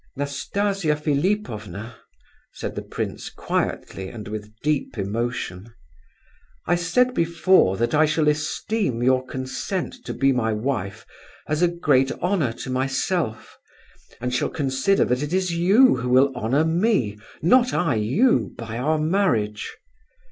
"Nastasia Philipovna." said the prince, quietly, and with deep emotion, "I said before that I shall esteem your consent to be my wife as a great honour to myself, and shall consider that it is you who will honour me, not I you, by our marriage.